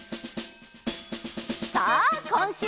さあこんしゅうの。